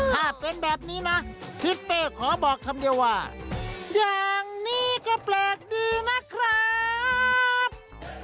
ถ้าเป็นแบบนี้นะทิศเป้ขอบอกคำเดียวว่าอย่างนี้ก็แปลกดีนะครับ